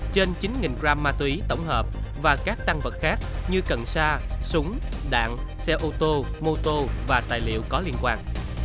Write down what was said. trên chín gram ma túy tổng hợp và các tăng vật khác như cần sa súng đạn xe ô tô mô tô và tài liệu có liên quan